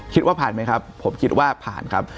คิดว่าผ่านไหมครับผมคิดว่าผ่านครับ